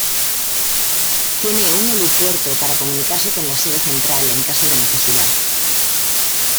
Tiene un helipuerto para comunicarse con la sede central en caso de necesidad.